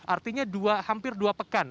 artinya hampir dua pekan